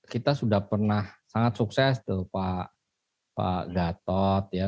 kita sudah pernah sangat sukses tuh pak gatot ya